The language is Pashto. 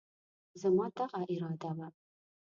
زما دغه اراده وه،